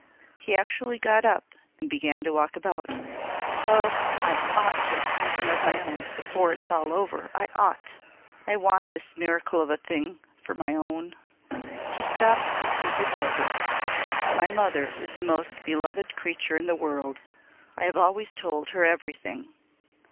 He actually got up and began to walk about. "Oh, I ought to have something of my own before it's all over I ought! I want this miracle of a thing for my own." He stopped and stood before her. "My mother is the most beloved creature in the world. I have always told her everything.